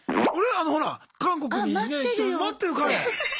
あのほら韓国にね行ってる待ってる彼。